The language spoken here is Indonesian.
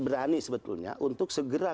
berani sebetulnya untuk segera